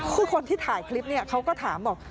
คือคนที่ถ่ายคลิปเนี่ยเขาก็ถามบอก